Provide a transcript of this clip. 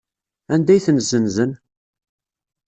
Anda ay ten-ssenzen?